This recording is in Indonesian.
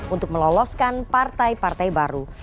untuk meloloskan partai partai baru